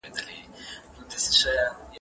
ايا د تحفو ورکول نفلي عمل ګڼل کيږي؟